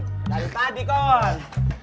dari tadi kawan